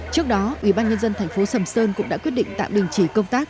trước đó ủy ban nhân dân thành phố sầm sơn cũng đã quyết định tạm đình chỉ công tác